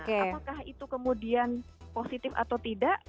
apakah itu kemudian positif atau tidak